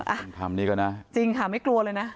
อ่าถามนี้ก็นะจริงค่ะไม่กลัวเลยนะ